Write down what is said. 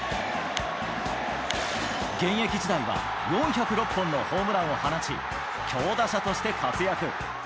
現役時代は４０６本のホームランを放ち、強打者として活躍。